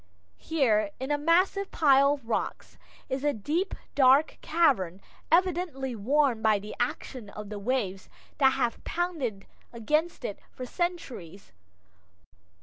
Here, in a massive pile of rocks, is a deep, dark cavern, evidently worn by the action of the waves that have pounded against it for centuries.